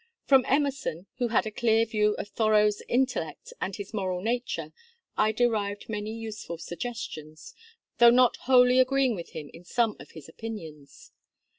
From Emerson, who had a clear view of Thoreau's intellect and his moral nature, I derived many useful suggestions, though not wholly agreeing with him in some of his opinions.